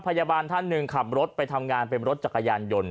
พยาบาลท่านหนึ่งขับรถไปทำงานเป็นรถจักรยานยนต์